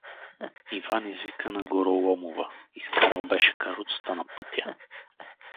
Иван извика на Гороломова — изкарал беше каруцата на пътя.